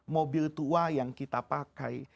mobil tua yang kita pakai